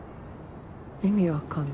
意味分かんない。